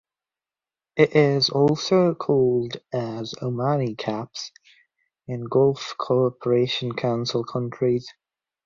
It is also called as "Omani caps" in Gulf Cooperation Council countries.